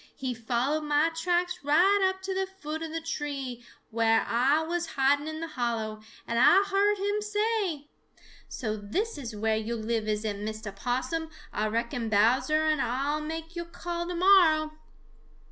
He followed mah tracks right up to the foot of the tree whar Ah was hiding in the hollow, and Ah heard him say: "So this is whar yo' live, is it, Mistah Possum? Ah reckon Bowser and Ah'll make yo' a call to morrow."